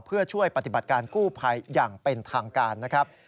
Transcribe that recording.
เพื่อช่วยปฏิบัติการกู้ภัยอย่างเป็นทางการนะครับ